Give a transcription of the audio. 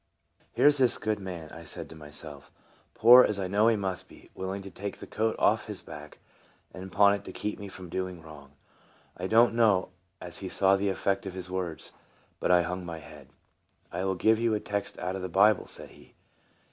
" Here 's this good man," I said to myself, " poor, as I know he must be, willing to take the coat off his back and pawn it to keep me from doing wrong." I do n't know as he saw the effect of his words, but I hung my head. " I will give you a text out of the Bible," said he.